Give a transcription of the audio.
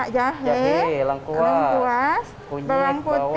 jahe lengkuas kunyit bawang